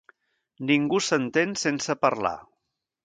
Ningú s'entén sense parlar.